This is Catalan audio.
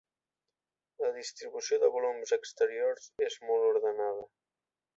La distribució de volums exteriors és molt ordenada.